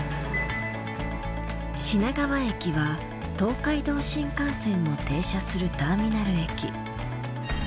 品川駅は東海道新幹線も停車するターミナル駅。